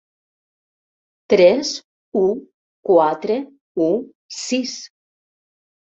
Tres, u, quatre, u, sis!